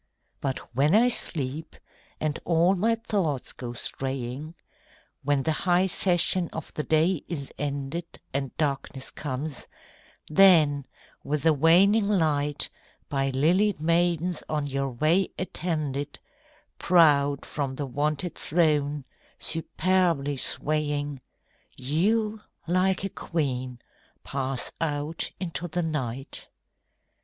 But when I sleep, and all my thoughts go straying, When the high session of the day is ended, And darkness comes; then, with the waning light, By lilied maidens on your way attended, Proud from the wonted throne, superbly swaying, You, like a queen, pass out into the night.